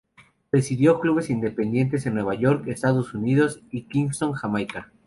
Presidió clubes independentistas en Nueva York, Estados Unidos, y Kingston, Jamaica.